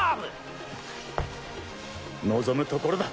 望むところだ。